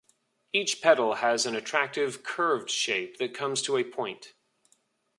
Each petal has an attractive, curved shape that comes to a point.